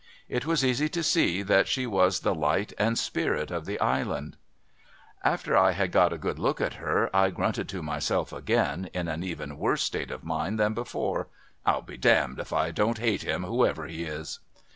It was easy to see that she was the light and spirit of the Island. A BEAUTIFUL YOUNG ENGLISH LADY 147 After I had got a good look at her, I grunted to myself again, in an even worse state of mind than before, ' I'll be damned, if I don't hate him, whoever he is